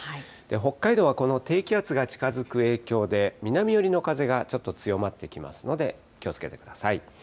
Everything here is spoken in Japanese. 北海道はこの低気圧が近づく影響で、南寄りの風がちょっと強まってきますので、気をつけてください。